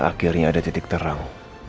akhirnya ada titik terang